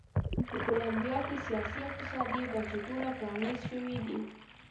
په کولمبیا کې سیاسي او اقتصادي بنسټونه پرانیست شوي دي.